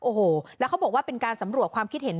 โอ้โหแล้วเขาบอกว่าเป็นการสำรวจความคิดเห็น